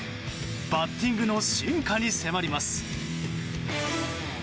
バッティングの進化に迫ります。